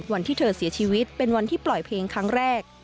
วันที่เธอเสียชีวิตเป็นวันที่ปล่อยเพลงครั้งแรก